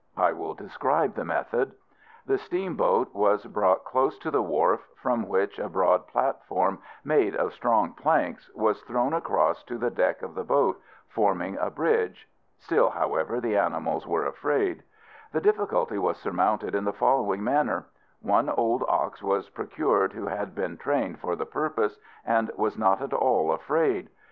I will describe the method. The steamboat was brought close to the wharf, from which a broad platform, made of strong planks, was thrown across to the deck of the boat, forming a bridge. Still, however, the animals were afraid. The difficulty was surmounted in the following manner: One old ox was procured who had been trained for the purpose, and was not at all afraid.